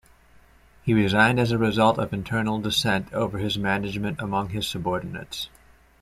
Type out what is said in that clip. He resigned as a result of internal dissent over his management among his subordinates.